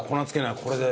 これで。